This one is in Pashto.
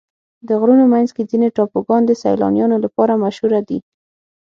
د غرونو منځ کې ځینې ټاپوګان د سیلانیانو لپاره مشهوره دي.